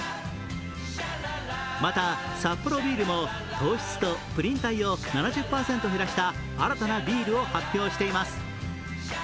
また、サッポロビールも糖質とプリン体を７０％減らした新たなビールを発表しています。